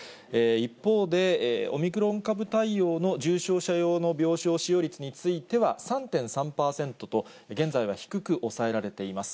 一方で、オミクロン株対応の重症者用の病床使用率については、３．３％と、現在は低く抑えられています。